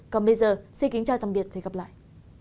còn bây giờ xin kính chào tạm biệt và hẹn gặp lại